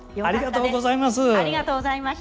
ありがとうございます。